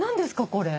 これ。